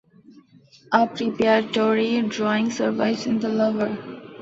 A preparatory drawing survives in the Louvre.